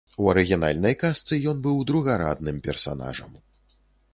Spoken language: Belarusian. У арыгінальнай казцы ён быў другарадным персанажам.